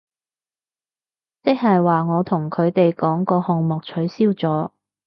即係話我同佢哋講個項目取消咗